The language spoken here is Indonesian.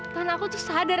tan aku tuh sadar